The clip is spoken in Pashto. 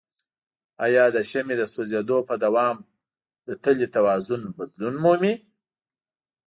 آیا د شمع د سوځیدو په دوام د تلې توازن بدلون مومي؟